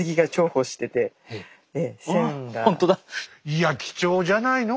いや貴重じゃないの？